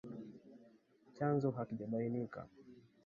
Chanzo hakijabainika